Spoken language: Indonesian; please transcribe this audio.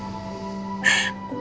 aku gak mau pergi